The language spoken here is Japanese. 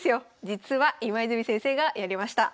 実は今泉先生がやりました。